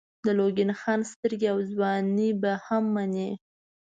د لونګین خان سترګې او ځواني به هم منئ.